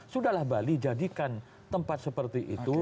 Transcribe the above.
sudahlah bali jadikan tempat seperti itu